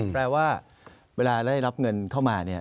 แปลว่าเวลาได้รับเงินเข้ามาเนี่ย